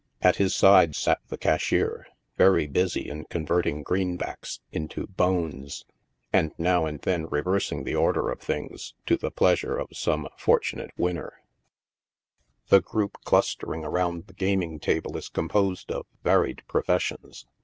At his side sat the cashier, very busy in convert ing greenbacks into " bones," and now and then reversing the order of things, to the pleasure of some fortunate winner. THIEVES, COUNTERFEITERS, ETC. 59 The group clustering around the gaming table is composed of varied professions.